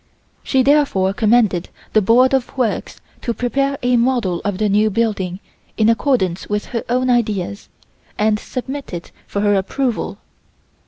She therefore commanded the Board of Works to prepare a model of the new building in accordance with her own ideas, and submit it for her approval.